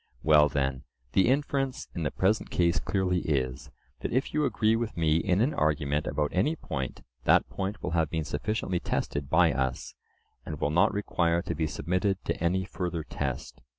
Well then, the inference in the present case clearly is, that if you agree with me in an argument about any point, that point will have been sufficiently tested by us, and will not require to be submitted to any further test.